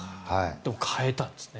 でも変えたんですね。